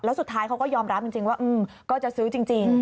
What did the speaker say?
แล้วสุดท้ายเขาก็ยอมรับจริงว่าก็จะซื้อจริง